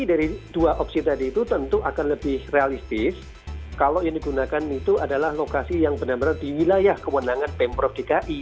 dari dua opsi tadi itu tentu akan lebih realistis kalau yang digunakan itu adalah lokasi yang benar benar di wilayah kewenangan pemprov dki